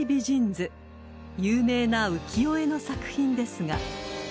［有名な浮世絵の作品ですが］